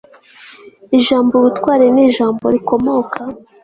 ijambo ubutwari ni ijambo rikomoka